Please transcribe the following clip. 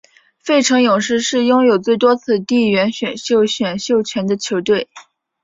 费城勇士是拥有最多次地缘选秀选秀权的球队。